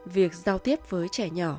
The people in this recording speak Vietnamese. việc giao tiếp với trẻ nhỏ